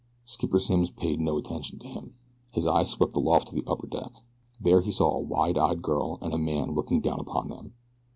Skipper Simms paid no attention to him. His eyes swept aloft to the upper deck. There he saw a wide eyed girl and a man looking down upon them.